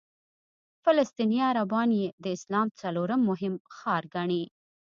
فلسطیني عربان یې د اسلام څلورم مهم ښار ګڼي.